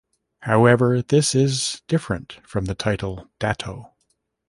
However, this is different from the title "Dato'".